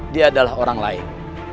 dia adalah orang lain